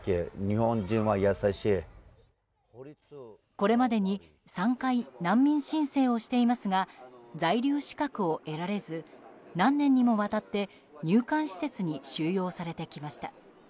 これまでに３回難民申請をしていますが在留資格を得られず何年にもわたって入管施設に収容されてきました。